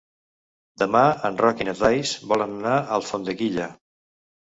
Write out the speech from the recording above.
Demà en Roc i na Thaís volen anar a Alfondeguilla.